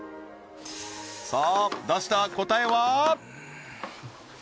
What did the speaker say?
さあ出した答えは？